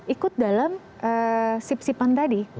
ikut dalam ship shipan tadi